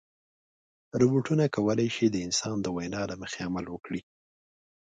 روبوټونه کولی شي د انسان د وینا له مخې عمل وکړي.